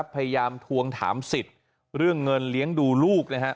พยายามทวงถามสิทธิ์เรื่องเงินเลี้ยงดูลูก